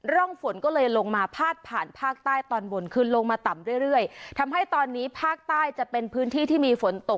ร่องฝนก็เลยลงมาพาดผ่านภาคใต้ตอนบนขึ้นลงมาต่ำเรื่อย